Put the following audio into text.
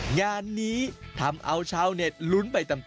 งานนี้ทำเอาชาวเน็ตลุ้นไปตาม